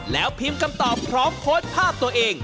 แล้วพิมพ์คำตอบพร้อมโพสต์ภาพตัวเอง